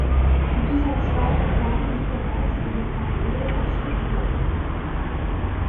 Zu dieser Zeit plante sie bereits ihre Karriere als Schriftstellerin.